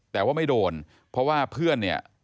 แต่ว่าไม่โดนเพราะว่าเพื่อนเนี่ย